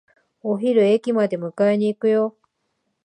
お昼、駅まで迎えに行くよ。